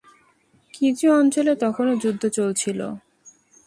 কিছু অঞ্চলে তখনও যুদ্ধ চলছিল।